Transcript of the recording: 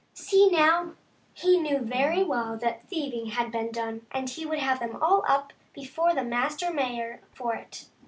See, now, he knew very well that thieving had been done, and he would have them all up before the master mayor for it.